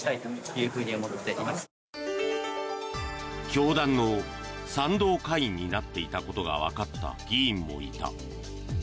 教団の賛同会員になっていたことがわかった議員もいた。